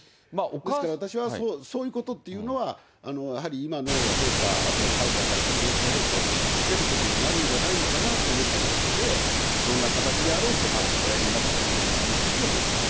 ですから私は、そういうことっていうのは、やはり今の陛下、あと裁可された上皇陛下を傷づけることになるんじゃないかなと思ってますので、どんな形であろうとも、おやりになったほうがいいというふうに思ってます。